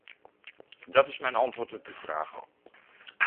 Dat is mijn antwoord op uw vraag.